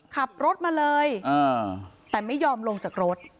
ขับรถมาเลยแต่ไม่ยอมลงจากรถ